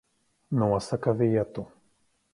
Nosaka vietu.